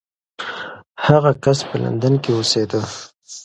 هغه کس په لندن کې اوسېده.